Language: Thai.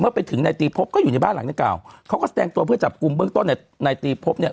ไปถึงในตีพบก็อยู่ในบ้านหลังดังกล่าวเขาก็แสดงตัวเพื่อจับกลุ่มเบื้องต้นในตีพบเนี่ย